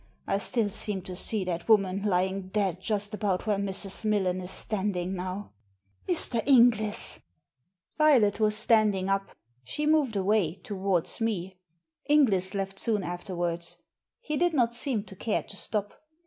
I still seem to see that woman lying dead just about where Mrs. Millen is standing now." Digitized by VjOO^IC THE HOUSEBOAT 269 "Mr. Inglis!" Violet was standing up. She moved away — ^to wards me. Inglis left soon afterwards. He did not seem to care to stop.